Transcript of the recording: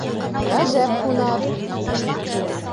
— Ғәжәп һунар!